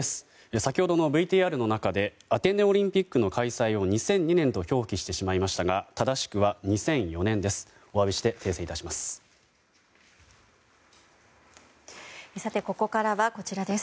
先ほどのＶＴＲの中でアテネオリンピックの開催を２００２年と表記してしまいましたが正しくは２００４年です。